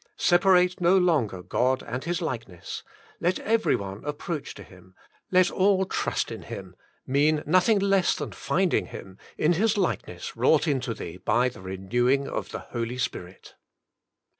Separate no longer God and His likeness, let everyone approach to Him, let all trust in Him, mean nothing less than finding Him, in His likeness wrought into thee by the renewing of the Holy Spirit.